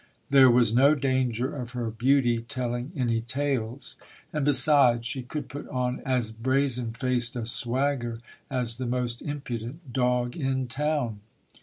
There was no danger of her beauty telling any tales ; and besides, she could put on as brazen faced a swagger as the most impudent dog in town.